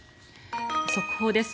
速報です。